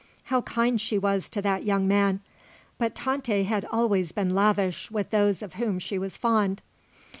How kind she was to that young man; but Tante had always been lavish with those of whom she was fond.